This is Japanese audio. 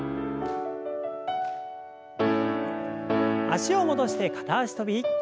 脚を戻して片脚跳び。